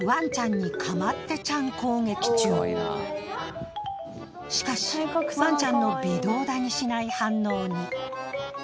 しかしワンちゃんの微動だにしない反応に。